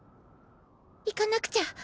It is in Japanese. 行かなくちゃ！